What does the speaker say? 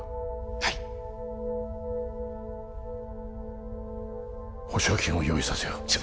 はい保証金を用意させよう